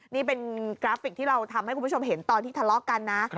นี่เป็นกราฟิกที่เราทำให้คุณผู้ชมเห็นตอนที่ทะเลาะกันนะ